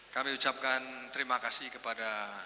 kami ucapkan terima kasih kepada